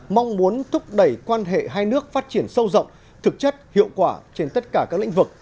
mong muốn thúc đẩy quan hệ hai nước phát triển sâu rộng thực chất hiệu quả trên tất cả các lĩnh vực